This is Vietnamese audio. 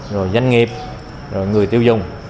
rồi doanh nghiệp rồi người tiêu dùng